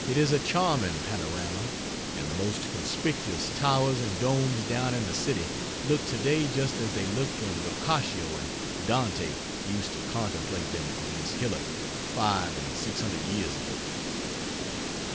It is a charming panorama, and the most conspicuous towers and domes down in the city look to day just as they looked when Boccaccio and Dante used to contemplate them from this hillock five and six hundred years ago.